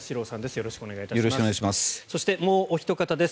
よろしくお願いします。